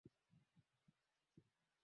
Mkali kama simba.